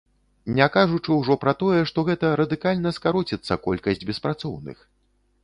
Не кажучы ўжо пра тое, што гэта радыкальна скароціцца колькасць беспрацоўных.